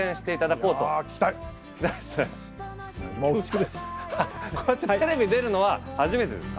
こうやってテレビに出るのは初めてですか？